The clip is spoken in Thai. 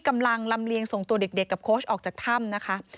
กำลังลำเลียงส่งตัวเด็กกับโค้ชออกจากถ้ำนะคะ